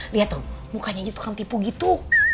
liat tuh mukanya itu kan tipu gitu